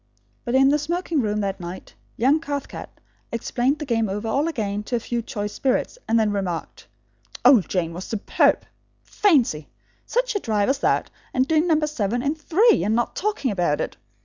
But, in the smoking room that night, young Cathcart explained the game all over again to a few choice spirits, and then remarked: "Old Jane was superb! Fancy! Such a drive as that, and doing number seven in three and not talking about it!